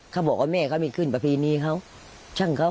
เขาบอกว่าแม่ครับไม่ขึ้นประภายหนีเขาช่างเขา